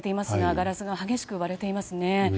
ガラスが激しく割れていますね。